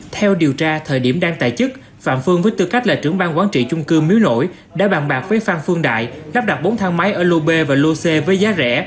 theo điều tra thời điểm đang tại chức phạm phương với tư cách là trưởng bang quản trị chung cư miếu nổi đã bàn bạc với phan phương đại lắp đặt bốn thang máy ở lô b và lô c với giá rẻ